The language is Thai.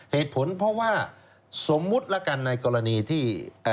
เหตุผลเพราะว่าสมมุติละกันในกรณีที่